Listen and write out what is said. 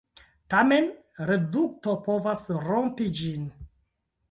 Tamen, redukto povas rompi ĝin.